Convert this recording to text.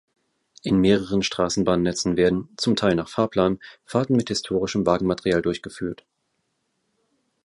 In mehreren Straßenbahnnetzen werden, zum Teil nach Fahrplan, Fahrten mit historischem Wagenmaterial durchgeführt.